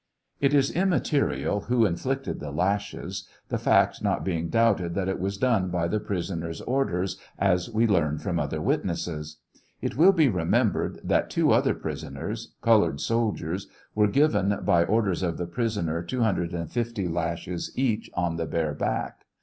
It is immaterial who inflicted the lashes, the fact not heing doubted that it was done by the prisoner's orders, as we learn from other witnesses. It will be remembered that two other prisoners, colored soldiers, were given by orders of the prisoner 250 lashes each on the bare back.